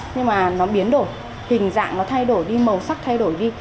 nhưng mà nó biến đổi hình dạng nó thay đổi đi màu sắc thay đổi đi